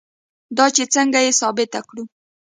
دا چې څنګه یې ثابته کړو.